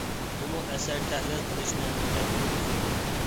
بۇمۇ ئەسەر تەھلىل قىلىشنىڭ يەنە بىر ئۇسۇلى.